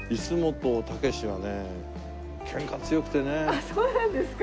あっそうなんですか。